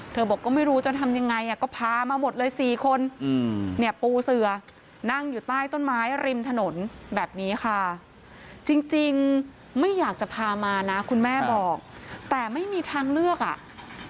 เธอบอกก็ไม่รู้จะทำอย่างไรก็พามาหมดเลย๔คน